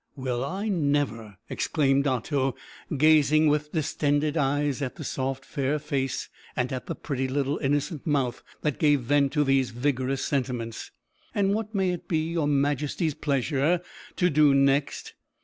"Well, I never!" exclaimed Otto, gazing with distended eyes at the soft fair face and at the pretty little innocent mouth that gave vent to these vigorous sentiments. "And what may it be your majesty's pleasure to do next?"